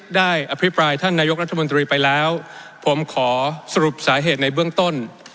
อภิปรายท่านนายกรัฐมนตรีไปแล้วผมขอสรุปสาเหตุในเบื้องต้น